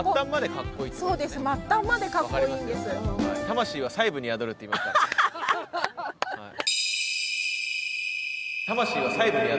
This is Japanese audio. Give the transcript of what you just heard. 魂は細部に宿るっていいますからね。